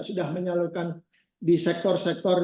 sudah menyalurkan di sektor sektor